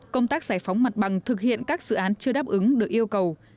công tác giải phóng mặt bằng thực hiện các dự án chưa đáp ứng được yêu cầu